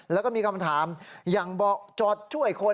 แล้วก็มีคำถามอย่างเบาะจอดช่วยคน